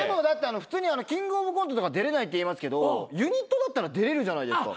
普通にキングオブコントとか出れないって言いますけどユニットだったら出れるじゃないですか。